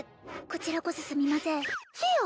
こちらこそすみませんせや！